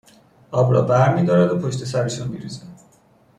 آب را برمیدارد و پشت سرشان میریزد